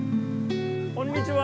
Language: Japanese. こんにちは。